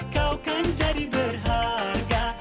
kau kan jadi berharga